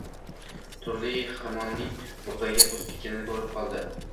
Tulki xirmonning bug’doyga to’lib ketganini ko’rib qoldi